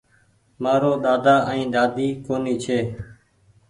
مآرو ۮاۮا ائين ۮاۮي ڪونيٚ ڇي